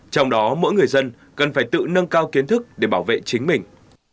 trong đó mỗi người dân cần phải tự nâng cao kiến thức để bảo vệ chính mình